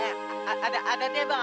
eh ada nebang ada nebang